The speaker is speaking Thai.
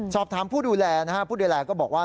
สอบถามผู้ดูแลนะฮะผู้ดูแลก็บอกว่า